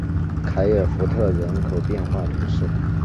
凯尔福特人口变化图示